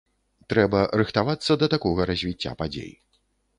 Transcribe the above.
Трэба рыхтавацца да такога развіцця падзей.